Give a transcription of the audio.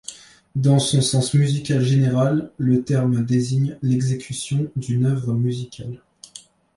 Dans son sens musical général, le terme désigne l'exécution d'une œuvre musicale.